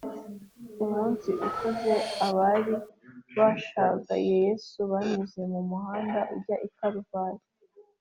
umunsi ukuze, abari bashagaye yesu banyuze mu muhanda ujya i karuvali